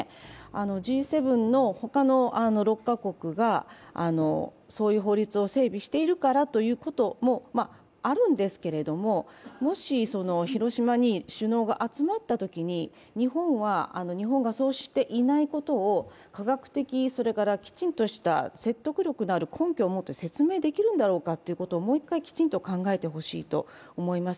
Ｇ７の他の６か国がそういう法律を整備しているからということもあるんですけれどももし広島に首脳が集まったときに日本がそうしていないことを科学的、それからきちんとした説得力のある根拠を持って説明できるのかどうかということを考えてほしいと思います。